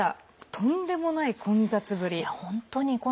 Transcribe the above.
とんでもない混雑ぶり。